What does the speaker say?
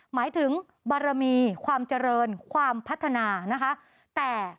หมายถึงบารมีความเจริญความพัฒนานะคะ